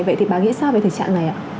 vậy thì bà nghĩ sao về thực trạng này ạ